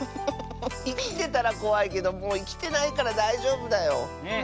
いきてたらこわいけどもういきてないからだいじょうぶだよ。